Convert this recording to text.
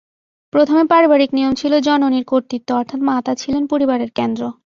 প্রথমে পারিবারিক নিয়ম ছিল জননীর কর্ত্রীত্ব অর্থাৎ মাতা ছিলেন পরিবারের কেন্দ্র।